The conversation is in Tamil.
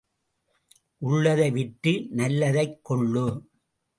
உள்ளதை விற்று நல்லதைக் கொள்ளு.